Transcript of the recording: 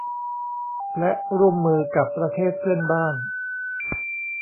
และร่วมมือกับประเทศเพื่อนบ้าน